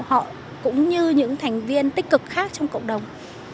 họ cũng như những thành viên tích cực khác trong cộng đồng